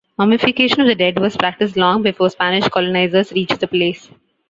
Mummification of the dead was practiced long before Spanish colonizers reached the place.